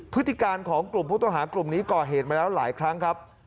พฤติการของกลุ่มผู้ต้องหากลุ่มนี้ก่อเหตุมาแล้วหลายครั้งครับ